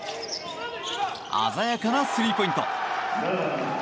鮮やかなスリーポイント。